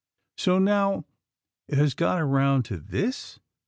So, now it has got around to _this!